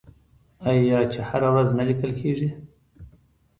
آیا چې هره ورځ نه لیکل کیږي؟